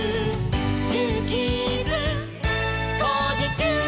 「ジューキーズ」「こうじちゅう！」